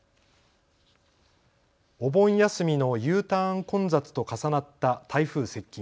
お盆休みのＵターン混雑と重なった台風接近。